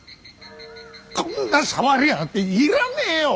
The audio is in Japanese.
こんな触りやがって要らねえよ！